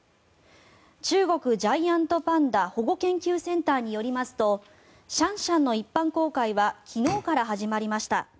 中国ジャイアントパンダ保護研究センターによりますとシャンシャンの一般公開は昨日から始まりました。